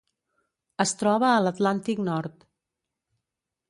Es troba a l'Atlàntic Nord.